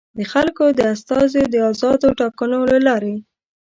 د خلکو د استازیو د ازادو ټاکنو له لارې.